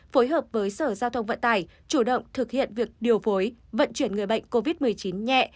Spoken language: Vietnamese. phối hợp với sở giao thông vận tải chủ động thực hiện việc điều phối vận chuyển người bệnh covid một mươi chín nhẹ